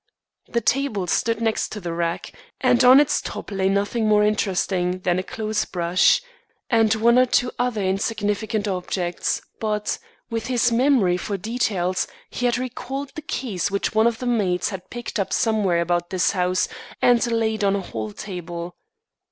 The table stood next the rack, and on its top lay nothing more interesting than a clothes brush and one or two other insignificant objects; but, with his memory for details, he had recalled the keys which one of the maids had picked up somewhere about this house, and laid on a hall table.